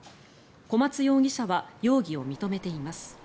小松容疑者は容疑を認めています。